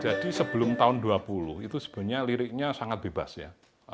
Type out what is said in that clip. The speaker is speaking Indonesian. jadi sebelum tahun seribu sembilan ratus dua puluh itu sebenarnya liriknya sangat bebas ya